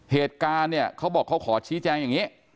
เหตุการณ์เนี่ยเขาบอกเขาขอชี้แจงอย่างนี้